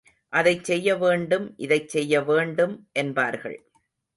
அதைச் செய்ய வேண்டும், இதைச் செய்ய வேண்டும் என்பார்கள்.